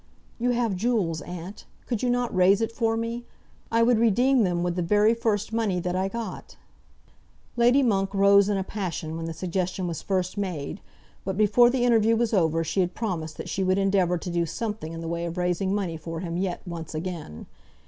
"You have jewels, aunt; could you not raise it for me? I would redeem them with the very first money that I got." Lady Monk rose in a passion when the suggestion was first made, but before the interview was over she had promised that she would endeavour to do something in the way of raising money for him yet, once again.